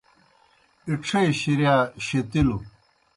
اِڇھے شِریا شیتِلوْ۔